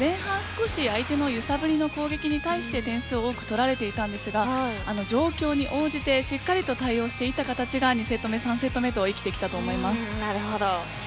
前半、少し相手の揺さぶりの攻撃に対して点数を多く取られていたんですが状況に応じてしっかりと対応していった形が２セット目３セット目となるほど。